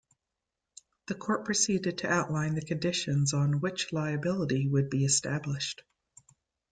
The court proceeded to outline the conditions on which liability would be established.